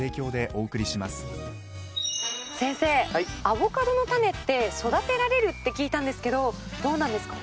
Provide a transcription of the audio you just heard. アボカドの種って育てられるって聞いたんですけどどうなんですか本当なんですか？